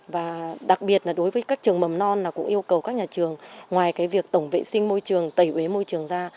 và đặc biệt là đối với các trường mầm non là cũng yêu cầu các nhà trường ngoài việc tổng vệ sinh môi trường tẩy uế môi trường ra